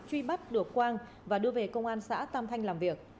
truy bắt được quang và đưa về công an xã tam thanh làm việc